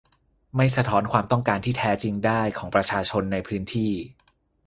ไม่สะท้อนความต้องการที่แท้จริงได้ของประชาชนในพื้นที่